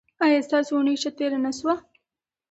ایا ستاسو اونۍ ښه تیره نه شوه؟